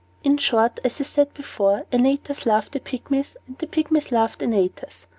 In short, as I said before, Antaeus loved the Pygmies, and the Pygmies loved Antaeus.